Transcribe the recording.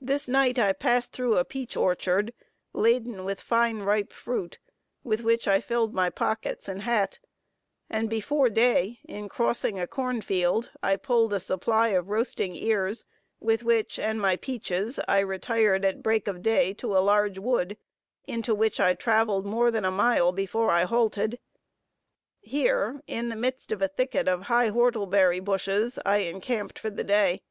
This night I passed through a peach orchard, laden with fine ripe fruit, with which I filled my pockets and hat; and before day, in crossing a corn field, I pulled a supply of roasting ears, with which and my peaches, I retired at break of day to a large wood, into which I traveled more than a mile before I halted. Here, in the midst of a thicket of high whortleberry bushes, I encamped for the day.